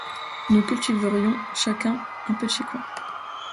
Nous cultiverions chacun un petit coin.